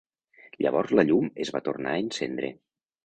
Llavors la llum es va tornar a encendre.